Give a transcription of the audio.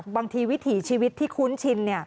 วิถีชีวิตที่คุ้นชิน